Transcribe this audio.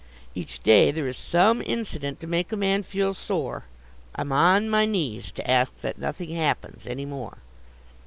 Each day there is some incident to make a man feel sore, I'm on my knees to ask that nothing happens any more.